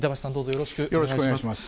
よろしくお願いします。